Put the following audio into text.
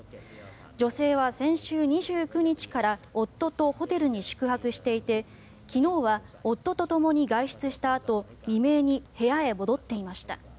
女性は先週２９日から夫とホテルに宿泊していて昨日は夫とともに外出したあと未明に部屋に戻っていました。